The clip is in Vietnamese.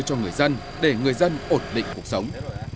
cho người dân để người dân ổn định cuộc sống